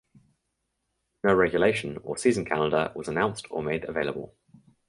No regulation or season calendar was announced or made available.